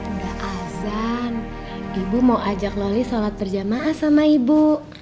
nggak azan ibu mau ajak loli sholat berjamaah sama ibu